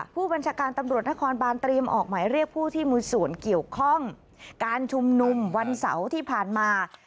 ผู้บัญชาการตำรวจนครบานเตรียมออกหมายเรียกผู้ที่มีส่วนเกี่ยวข้องการชุมนุมวันเสาร์ที่ผ่านมา